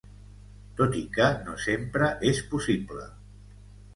Tot i que no sempre és possible.